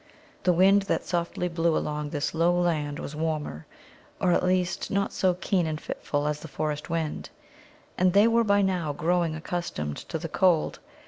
The wind that softly blew along this low land was warmer, or, at least, not so keen and fitful as the forest wind, and they were by now growing accustomed to the cold.